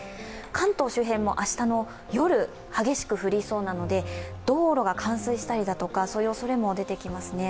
関東周辺も明日の夜、激しく降りそうなので道路が冠水したりというおそれも出てきますね。